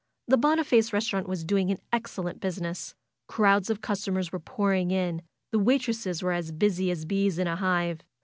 The Boniface restaurant was doing an excellent business. Crowds of customers were pouring in. The waitresses were as busy as bees in a hive.